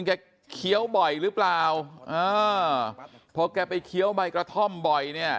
เคี้ยวบ่อยหรือเปล่าเออพอแกไปเคี้ยวใบกระท่อมบ่อยเนี่ย